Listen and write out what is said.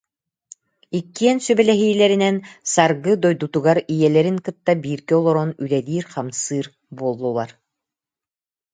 Иккиэн сүбэлэһиилэринэн Саргы дойдутугар ийэлэрин кытта бииргэ олорон үлэлиир-хамсыыр буоллулар